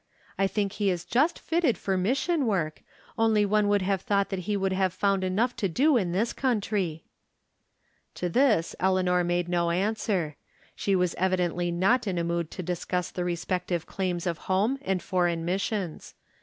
I think he is just fitted for mission work, only one would have thought that he would have found enough to do in this country." To this Eleanor made no answer. She was evidently not in a mood to discuss the respective claims of home and foreign missions.